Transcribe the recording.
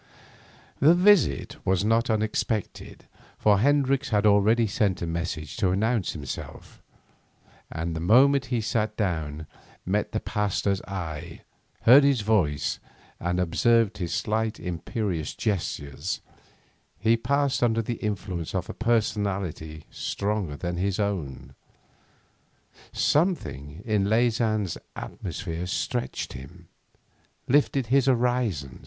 The visit was not unexpected, for Hendricks had already sent a message to announce himself, and the moment he sat down, met the Pasteur's eye, heard his voice, and observed his slight imperious gestures, he passed under the influence of a personality stronger than his own. Something in Leysin's atmosphere stretched him, lifting his horizon.